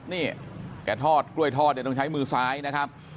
นี่แกทอดกล้วยทอดเนี่ยต้องใช้มือซ้ายนะครับ